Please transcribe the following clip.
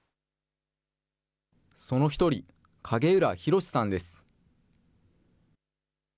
その１人、影浦博さんです。